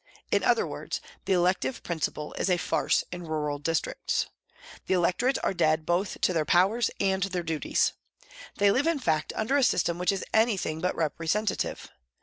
In other words, the elective principle is a farce in rural districts. The electorate are dead both to their powers and their duties. They live, in fact, under a system which is anything but representative.